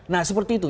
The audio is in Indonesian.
nah seperti itu